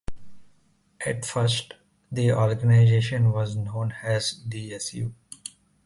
At first, the organisation was known as the "DsU".